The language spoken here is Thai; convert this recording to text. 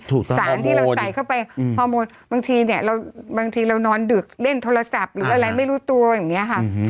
ถึงฮอมโมนสารที่เราใส่เข้าไปฮอมโมนบางทีเรานอนดึกเล่นโทรศัพท์หรืออะไรไม่รู้ตัวอย่างนี้